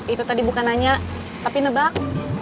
itu tadi bukan nanya tapi nebak